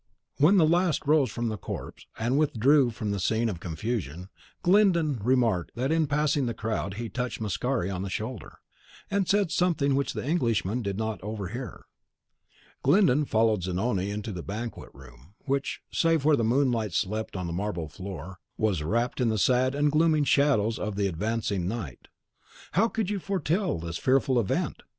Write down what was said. When the last rose from the corpse, and withdrew from that scene of confusion, Glyndon remarked that in passing the crowd he touched Mascari on the shoulder, and said something which the Englishman did not overhear. Glyndon followed Zanoni into the banquet room, which, save where the moonlight slept on the marble floor, was wrapped in the sad and gloomy shadows of the advancing night. "How could you foretell this fearful event?